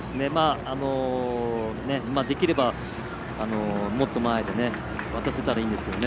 できれば、もっと前で渡せたらいいですけどね。